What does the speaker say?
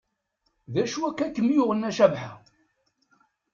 D acu akka i kem-yuɣen a Cabḥa?